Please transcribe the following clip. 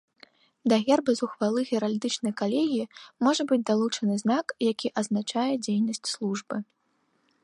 Да герба з ухвалы геральдычнай калегіі можа быць далучаны знак які азначае дзейнасць службы.